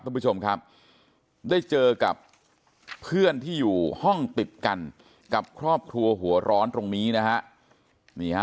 คุณผู้ชมครับได้เจอกับเพื่อนที่อยู่ห้องติดกันกับครอบครัวหัวร้อนตรงนี้นะฮะนี่ฮะ